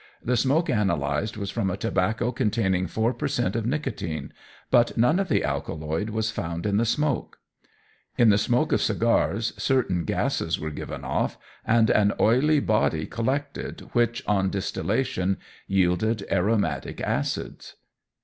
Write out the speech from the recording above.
The smoke analysed was from a tobacco containing four per cent. of nicotine, but none of the alkaloid was found in the smoke. In the smoke of cigars certain gases were given off, and an oily body collected, which, on distillation, yielded aromatic acids.